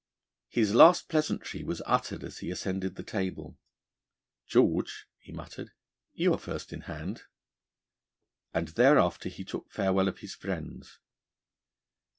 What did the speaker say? His last pleasantry was uttered as he ascended the table. 'George,' he muttered, 'you are first in hand,' and thereafter he took farewell of his friends.